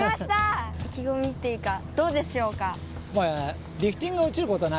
いきごみっていうかどうでしょうか？